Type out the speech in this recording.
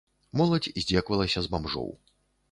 Моладзь здзекавалася з бамжоў.